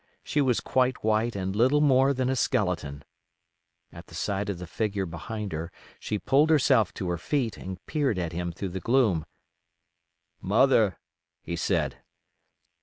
She was quite white and little more than a skeleton. At sight of the figure behind her she pulled herself to her feet, and peered at him through the gloom. "Mother!" he said.